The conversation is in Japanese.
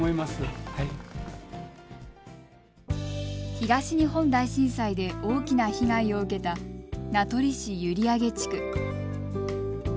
東日本大震災で大きな被害を受けた名取市閖上地区。